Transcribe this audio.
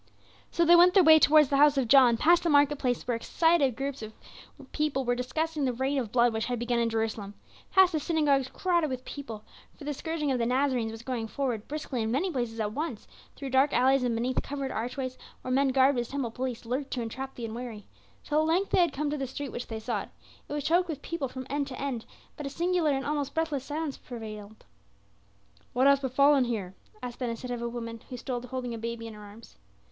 So they went their way towards the house of John; past the market places where excited groups were discussing the reign of blood which had begun in Jerusalem; past the synagogues crowded with people for the scourging of the Nazarenes was going forward briskly in many places at once; through dark alleys and beneath covered archways, where men garbed as temple police lurked to entrap the unwary; till at length they had come to the street which they sought. It was choked with people from end to end; but a singular and almost breathless silence prevailed. "What hath befallen here?" asked Ben Hesed of a woman who stood holding a baby in her arms.